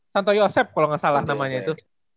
santo yosep kalau enggak salah namanya itu